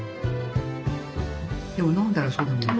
でも飲んだらそうでもない。